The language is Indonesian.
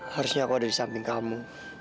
harusnya aku ada di samping kamu